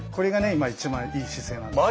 今一番いい姿勢なんです。